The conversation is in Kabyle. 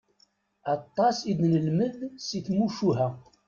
Aṭas i d-nelmed si tmucuha.